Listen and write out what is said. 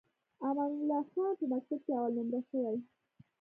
امان الله خان په مکتب کې اول نمره شوی.